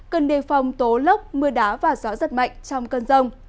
cần đề phòng tố lốc mưa đá và gió giật mạnh trong cơn rông